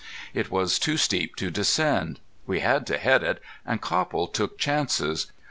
It was too steep to descend. We had to head it, and Copple took chances.